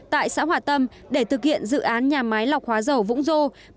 tại xã hòa tâm để thực hiện dự án nhà máy lọc hóa dầu vũng dô